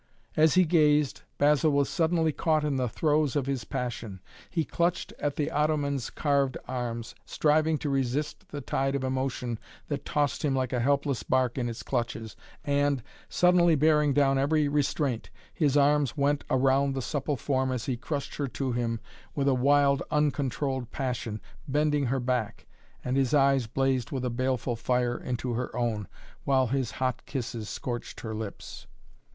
As he gazed, Basil was suddenly caught in the throes of his passion. He clutched at the ottoman's carved arms, striving to resist the tide of emotion that tossed him like a helpless bark in its clutches and, suddenly bearing down every restraint, his arms went round the supple form as he crushed her to him with a wild uncontrolled passion, bending her back, and his eyes blazed with a baleful fire into her own, while his hot kisses scorched her lips.